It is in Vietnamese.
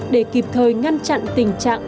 để kịp thời ngăn chặn tình trạng